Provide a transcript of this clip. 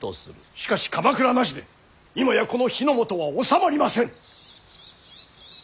しかし鎌倉なしで今やこの日本は治まりません。